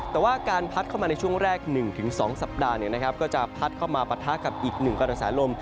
แต่ว่าการพัดเข้ามาในช่วงแรก๑๒สัปดาห์ก็จะพัดเข้ามาปะทะกับอีกหนึ่งกระแสลม